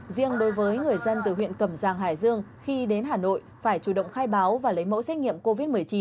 riêng đối với người dân từ huyện cầm giang hải dương khi đến hà nội phải chủ động khai báo và lấy mẫu xét nghiệm covid một mươi chín